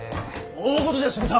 大ごとじゃ渋沢！